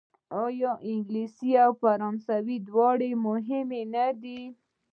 آیا انګلیسي او فرانسوي دواړه مهمې نه دي؟